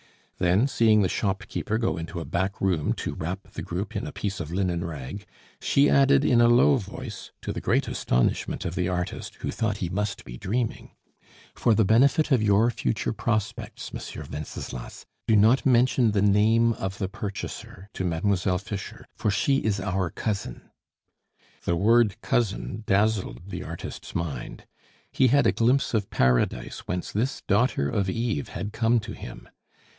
Then, seeing the shopkeeper go into a back room to wrap the group in a piece of linen rag, she added in a low voice, to the great astonishment of the artist, who thought he must be dreaming: "For the benefit of your future prospects, Monsieur Wenceslas, do not mention the name of the purchaser to Mademoiselle Fischer, for she is our cousin." The word cousin dazzled the artist's mind; he had a glimpse of Paradise whence this daughter of Eve had come to him.